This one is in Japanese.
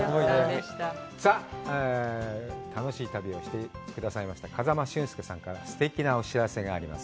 さあ、楽しい旅をしてくださいました風間俊介さんからすてきなお知らせがあります。